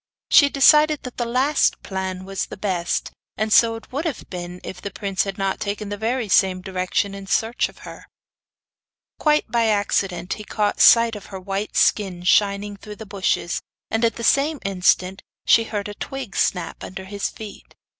She decided that the last plan was the best; and so it would have been if the prince had not taken the very same direction in search of her. Quite by accident he caught sight of her white skin shining through the bushes, and at the same instant she heard a twig snap under his feet.